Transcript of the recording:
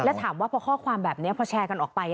แล้วถามว่าพอข้อความแบบนี้พอแชร์กันออกไป